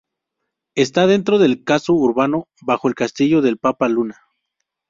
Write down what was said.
Está dentro del casco urbano, bajo el castillo del Papa Luna.